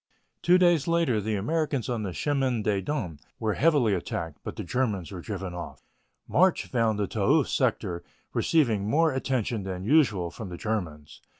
Two days later the Americans on the Chemin des Dames were heavily attacked, but the Germans were driven off. March found the Toul sector receiving more attention than usual from the Germans.